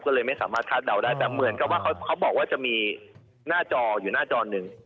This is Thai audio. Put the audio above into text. ก็เลยไม่สามารถคาดเดาได้แต่เหมือนกับว่าเขาบอกว่าจะมีหน้าจออยู่หน้าจอหนึ่ง